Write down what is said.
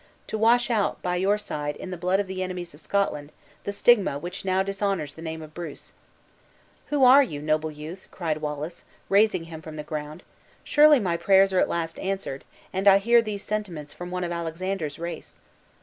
To wash out, by your side, in the blood of the enemies of Scotland, the stigma which now dishonors the name of Bruce!" "And who are you, noble youth?" cried Wallace, raising him from the ground. "Surely my prayers are at last answered; and I hear these sentiments from one of Alexander's race!"